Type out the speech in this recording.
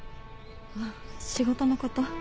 あっ仕事のこと。